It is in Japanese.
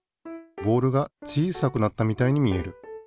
ボールが小さくなったみたいに見える。